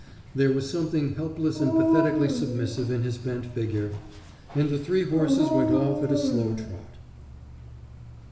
There was something helpless and pathetically submissive in his bent figure.... And the three horses went off at a slow trot.